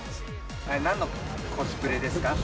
なんのコスプレですか？